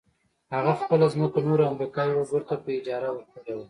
هغه خپله ځمکه نورو امريکايي وګړو ته په اجاره ورکړې وه.